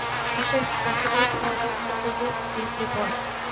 mission impossible Fallout کا پہلے ہی دن ریکارڈ